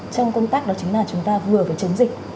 trong công tác đó chính là chúng ta vừa phải chống dịch